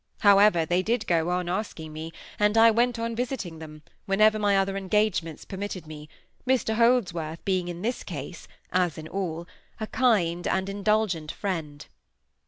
However, they did go on asking me, and I went on visiting them, whenever my other engagements permitted me, Mr Holdsworth being in this case, as in all, a kind and indulgent friend.